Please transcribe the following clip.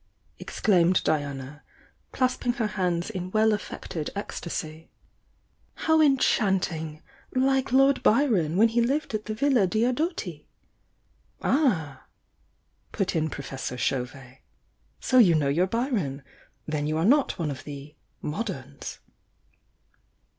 ex claimed Diana, clasping her hands in well affected ecstasy. "How enchanting! Like Lord Byron, when he lived at the VUla Diodati!" "Ah!" put in Professor Chauvet. "So you know your Byron! Then you are not one of the 'mod ems.